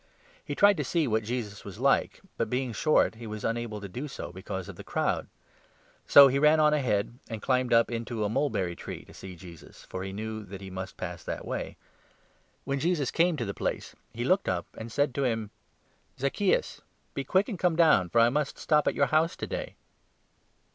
He tried to see what Jesus 3 was like ; but, being short, he was unable to do so because of the crowd. So he ran on ahead and climbed up into a 4 mulberry tree, to see Jesus, for he knew that he must pass that way. When Jesus came to the place, he looked up and 5 said to him : "Zacchaeus, be quick and come down, for I must stop at your house to day."